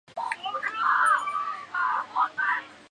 信息抽取之用的技术。